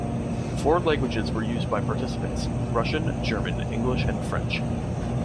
Four languages were used by participants - Russian, German, English, and French.